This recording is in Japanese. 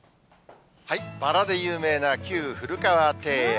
バラで有名な旧古河庭園。